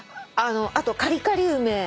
あとカリカリ梅。